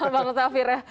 bang safir ya